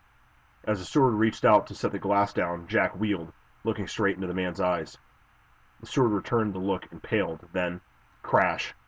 As the steward reached out to set the glass down Jack wheeled, looking straight into the man's eyes. The steward returned the look and paled, then Crash!